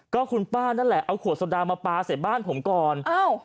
ก็คุณป้านั่นแหละเอาขวดโซดามาปลาใส่บ้านผมก่อนอ้าว